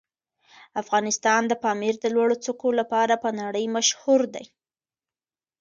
افغانستان د پامیر د لوړو څوکو لپاره په نړۍ مشهور دی.